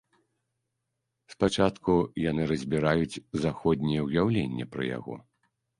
Спачатку яны разбіраюць заходняе ўяўленне пра яго.